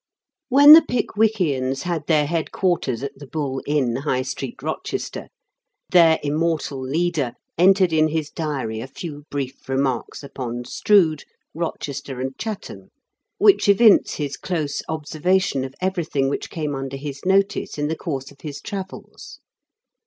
When the Pickwickians had their head quarters at The Bull Inn, High Street, Eochester, their immortal leader entered in his diary a few brief remarks upon Strood, Eochester, and Chatham, which evince his close observation of everything which came under his notice in the course of his travels.